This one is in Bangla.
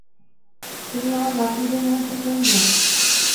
তুমি আমার নাতনিদের মধ্যে কোনজন?